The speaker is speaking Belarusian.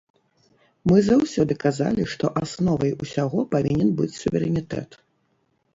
Мы заўсёды казалі, што асновай усяго павінен быць суверэнітэт.